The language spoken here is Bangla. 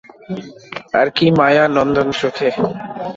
আর কী মায়া নন্দর চোখে।